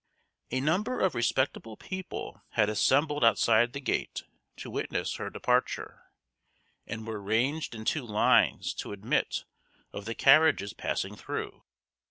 A number of respectable people had assembled outside the gate to witness her departure, and were ranged in two lines to admit of the carriages passing through.